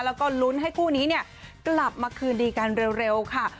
แล้วก็ลุ้นให้คู่นี้กลับมาคืนดีกันเร็วค่ะ